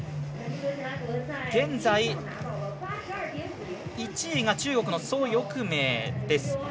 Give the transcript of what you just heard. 現在、１位が中国の蘇翊鳴です。